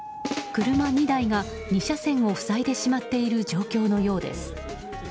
車２台が２車線を塞いでしまっている状況のようです。